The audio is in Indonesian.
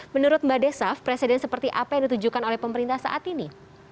menurut mbak desaf presiden seperti apa yang ditujukan oleh pemerintah saat ini